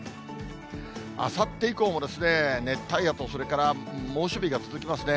あさって以降も、熱帯夜と、それから猛暑日が続きますね。